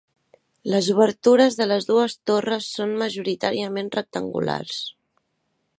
Les obertures de les dues torres són majoritàriament rectangulars.